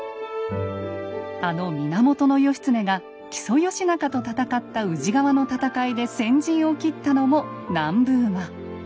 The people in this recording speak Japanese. あの源義経が木曽義仲と戦った宇治川の戦いで先陣を切ったのも南部馬。